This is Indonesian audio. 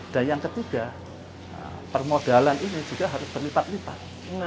yang ketiga permodalan ini juga harus berlipat lipat